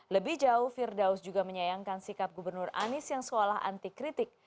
lebih jauh firdaus juga menyayangkan sikap gubernur anies yang seolah anti kritik